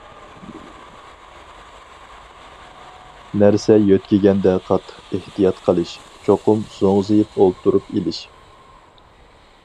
نەرسە يۆتكىگەندە قاتتىق ئېھتىيات قىلىش، چوقۇم زوڭزىيىپ ئولتۇرۇپ ئېلىش.